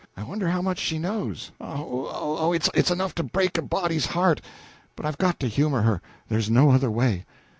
I wonder how much she knows? Oh, oh, oh, it's enough to break a body's heart! But I've got to humor her there's no other way."